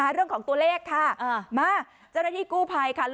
เรื่องของตัวเลขค่ะมาเจ้าหน้าที่กู้ภัยค่ะ